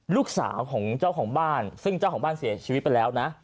ลูกสาวของเจ้าของบ้านซึ่งเจ้าของบ้านเสียชีวิตไปแล้วนะ